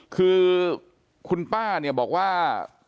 คือคุณป้าเนี่ยบอกว่า